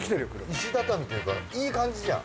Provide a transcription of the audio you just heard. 石畳というかいい感じじゃん。